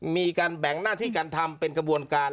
มีการแบ่งหน้าที่การทำเป็นกระบวนการ